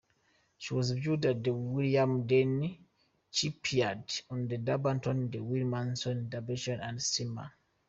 She was built at the William Denny shipyard at Dumbarton for Williamson-Buchanan Steamers.